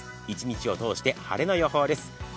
一日を通して晴れの予報です。